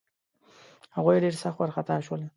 هغوی ډېر سخت وارخطا شول.